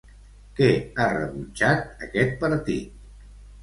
Què ha rebutjat aquest partit?